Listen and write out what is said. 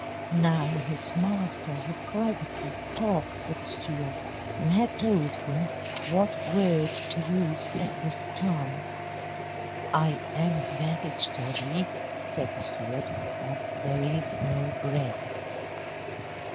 Now his master had privately talked with the steward and had told him what words to use at this time. "I am very sorry," said the steward, "but there is no bread."